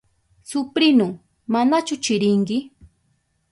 Suprinu, ¿manachu chirinki?